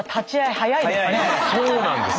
そうなんです。